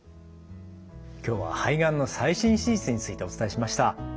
今日は肺がんの最新手術についてお伝えしました。